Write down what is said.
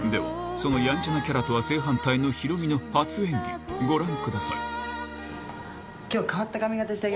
そのヤンチャなキャラとは正反対のヒロミの初演技ご覧くださいあっヒロミさん！